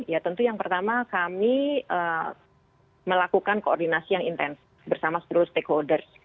ya tentu yang pertama kami melakukan koordinasi yang intensif bersama seluruh stakeholders